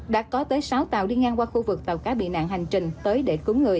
đã có tới sáu tàu đi ngang qua khu vực tàu cá bị nạn hành trình tới để cứu người